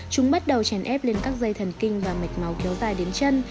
chúng bắt đầu chèn ép lên các dây thần kinh và mạch máu kéo dài đến chân